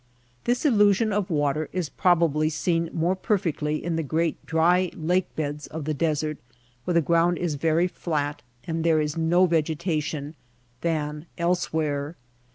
This illusion of water is probably seen more perfectly in the great dry lake beds of the des ert where the ground is very flat and there is no vegetation, than elsewhere.